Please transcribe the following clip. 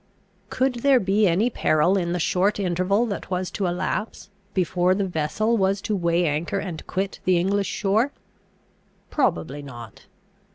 Could there be any peril in the short interval that was to elapse, before the vessel was to weigh anchor and quit the English shore? Probably not.